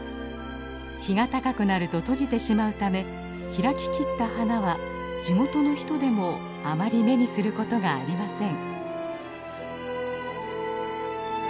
日が高くなると閉じてしまうため開ききった花は地元の人でもあまり目にすることがありません。